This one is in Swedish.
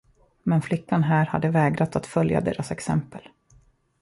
Men flickan här hade vägrat att följa deras exempel.